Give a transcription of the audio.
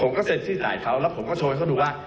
เซ็นชื่อสายเขาแล้วผมก็โชว์ให้เขาดูว่า